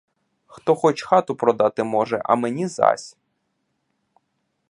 Хто хоч хату продати може, а мені зась.